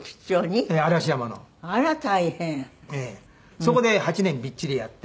そこで８年びっちりやって。